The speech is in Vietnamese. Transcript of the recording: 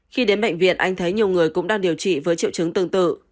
khi đến bệnh viện anh thấy nhiều người cũng đang điều trị với triệu chứng tương tự